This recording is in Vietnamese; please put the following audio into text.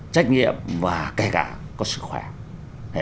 trách nhiệm và kể cả có sức khỏe